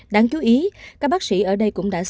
đáng chú ý các bác sĩ ở đây cũng đã sử dụng